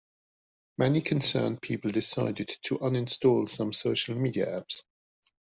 Many concerned people decided to uninstall some social media apps.